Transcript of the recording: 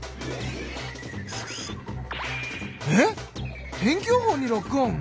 えっ天気予報にロックオン！？